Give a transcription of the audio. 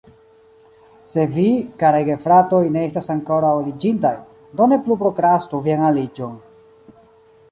Se vi, karaj gefratoj, ne estas ankoraŭ aliĝintaj, do ne plu prokrastu vian aliĝon.